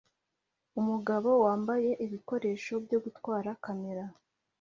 umugabo wambaye ibikoresho byo gutwara kamera